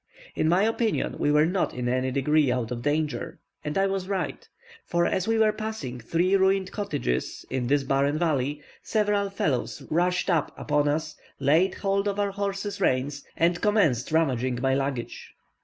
In my opinion, we were not in any degree out of the danger, and I was right; for, as we were passing three ruined cottages in this barren valley, several fellows rushed out upon us, laid hold of our horses' reins, and commenced rummaging my luggage.